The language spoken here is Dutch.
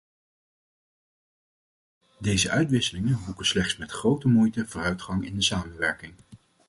Deze uitwisselingen boeken slechts met grote moeite vooruitgang in de samenwerking.